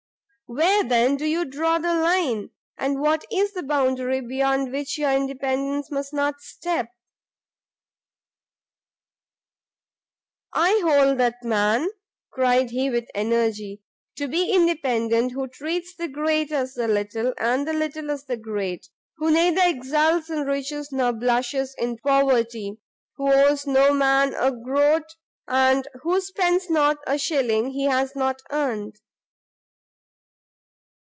"Where, then, do you draw the line? and what is the boundary beyond which your independence must not step?" "I hold that man," cried he, with energy, "to be independent, who treats the Great as the Little, and the Little as the Great, who neither exults in riches nor blushes in poverty, who owes no man a groat, and who spends not a shilling he has not earned."